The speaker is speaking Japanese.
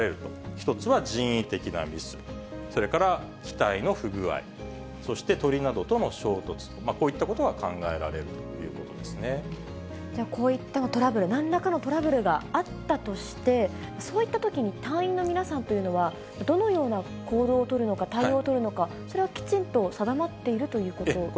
１つは人為的なミス、それから機体の不具合、そして鳥などとの衝突と、こういったことが考えられるということこういったトラブル、なんらかのトラブルがあったとして、そういったときに、隊員の皆さんというのはどのような行動を取るのか、対応を取るのか、それはきちんと定まっているということですか。